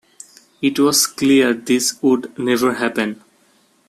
It was clear this would never happen.